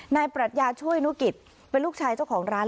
ปรัชญาช่วยนุกิจเป็นลูกชายเจ้าของร้าน